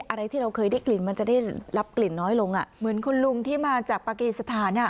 อะไรที่เราเคยได้กลิ่นมันจะได้รับกลิ่นน้อยลงอ่ะเหมือนคุณลุงที่มาจากปากีสถานอ่ะ